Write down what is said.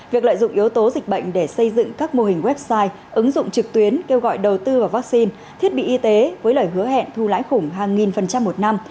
việc lợi dụng yếu tố dịch bệnh để xây dựng các mô hình website ứng dụng trực tuyến kêu gọi đầu tư vào vaccine thiết bị y tế với lời hứa hẹn thu lãi khủng hàng nghìn phần trăm một năm